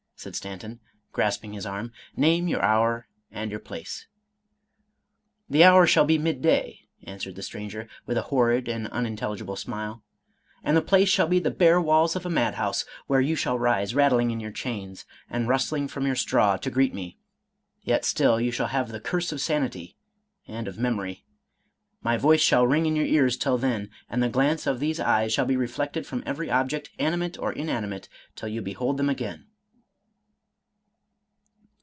said Stanton, grasping his arm; "name your hour and your place." " The hour shall be midday," answered ^the stranger, with a hprrid and unintelligible smile ;" and the place shall be the bare walls of a madhouse, where you shall rise rattling in your chains, and rustling from your straw, to greet me, — ^yet still you shall have the curse of sanity, and of memory. My voice shall ring in your ears till then, and the glance of these eyes shall be reflected from every object, animate or inanimate, till you behold them again."